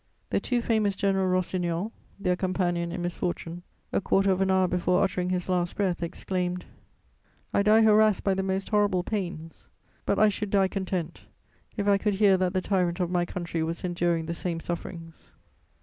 The too famous General Rossignol, their companion in misfortune, a quarter of an hour before uttering his last breath, exclaimed: "I die harassed by the most horrible pains; but I should die content if I could hear that the tyrant of my country was enduring the same sufferings!"